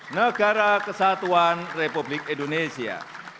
negara kesatuan republik indonesia